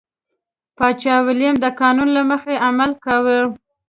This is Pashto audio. پاچا ویلیم د قانون له مخې عمل کاوه.